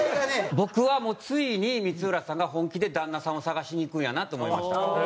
僕はもうついに光浦さんが本気で旦那さんを探しに行くんやなと思いました。